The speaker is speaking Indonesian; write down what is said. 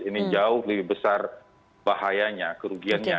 ini jauh lebih besar bahayanya kerugiannya